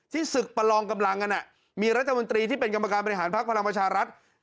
ศึกประลองกำลังกันมีรัฐมนตรีที่เป็นกรรมการบริหารพักพลังประชารัฐ